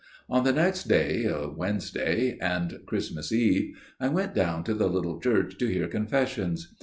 "On the next day, a Wednesday, and Christmas Eve, I went down to the little church to hear confessions.